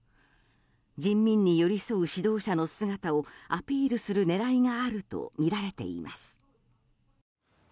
人民に寄り添う指導者の姿をアピールする狙いがあるとみられています。